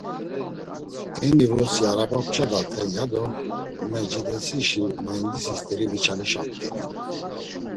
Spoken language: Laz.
Eni vrosi arabana p̌ç̌adaten ya do Mercedesişi muendisi st̆eri viçalişamt̆it.